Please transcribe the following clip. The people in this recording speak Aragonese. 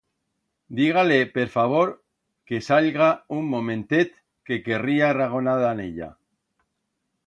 Diga-le, per favor, que sallga un momentet, que querría ragonar dan ella.